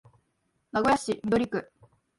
名古屋市緑区